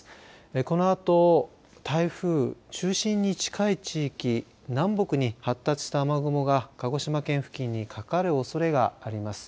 このあと台風、中心に近い地域、南北に発達した雨雲が鹿児島県付近にかかるおそれがあります。